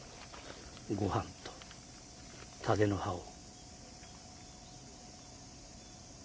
ごはんと蓼の葉を。